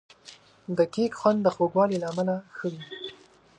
د کیک خوند د خوږوالي له امله ښه وي.